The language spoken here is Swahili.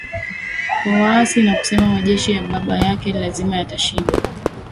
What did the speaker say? kwa waasi na kusema majeshi ya baba yake lazima yatashinda